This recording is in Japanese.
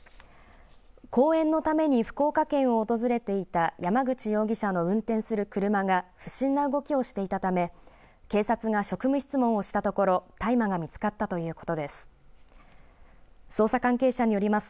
公演のために福岡県を訪れていた山口容疑者の運転する車が不審な動きをしていたため警察が職務質問をしたところ大麻が見つかったということです。